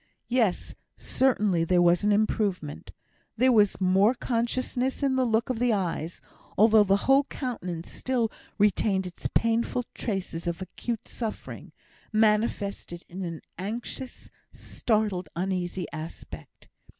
Yes, certainly there was an improvement. There was more consciousness in the look of the eyes, although the whole countenance still retained its painful traces of acute suffering, manifested in an anxious, startled, uneasy aspect.